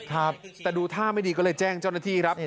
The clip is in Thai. ครับแต่ดูท่าไม่ดีก็เลยแจ้งเจ้าหน้าที่ครับ